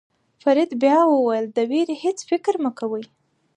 فرید بیا ورته وویل د وېرې هېڅ فکر مه کوئ.